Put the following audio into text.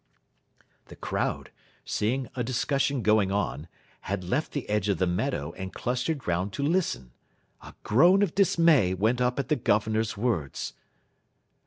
The crowd, seeing a discussion going on, had left the edge of the meadow and clustered round to listen. A groan of dismay went up at the Governor's words.